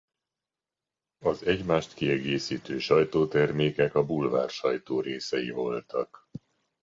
Az egymást kiegészítő sajtótermékek a bulvársajtó részei voltak.